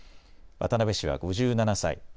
渡辺氏は５７歳。